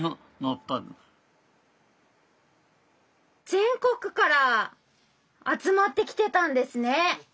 全国から集まってきてたんですね。